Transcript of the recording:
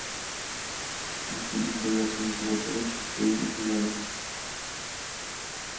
Не будзем баяцца называць рэчы сваімі імёнамі.